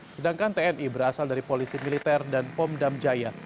sedangkan tni berasal dari polisi militer dan pom dam jaya